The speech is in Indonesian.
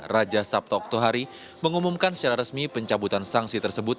raja sabto oktohari mengumumkan secara resmi pencabutan sanksi tersebut